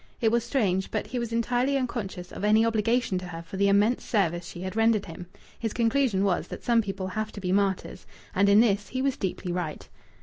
It was strange, but he was entirely unconscious of any obligation to her for the immense service she had rendered him. His conclusion was that some people have to be martyrs. And in this he was deeply right.